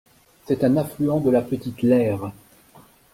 C'est un affluent de la Petite Leyre.